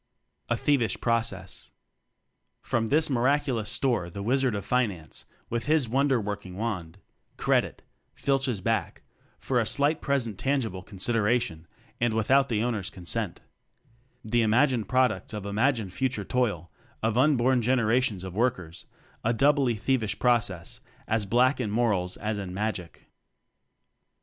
A Thievish Process. From this miraculous store the "Wizard of Finance," with his wonder working wand "Credit" filches back (for a slight ' present tangible con sideration and without the owners' consent) the imagined products of imagined future toil of unborn gen erations of workers a doubly thievish process, as black in morals as in magic.